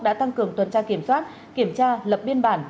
đã tăng cường tuần tra kiểm soát kiểm tra lập biên bản